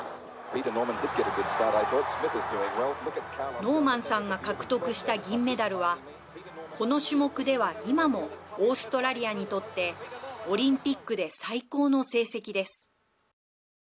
ノーマンさんが獲得した銀メダルは、この種目では今もオーストラリアにとってオリンピックで最高の成績です。